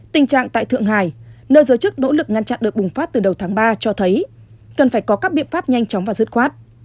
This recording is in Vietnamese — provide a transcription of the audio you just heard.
tình trạng tại thượng hải nơi giới chức nỗ lực ngăn chặn được bùng phát từ đầu tháng ba cho thấy cần phải có các biện pháp nhanh chóng và dứt khoát